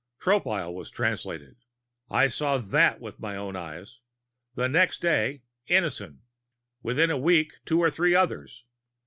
Tropile was Translated I saw that with my own eyes. The next day, Innison. Within a week, two or three others.